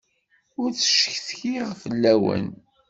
Ur ttcetkiɣ fell-awen.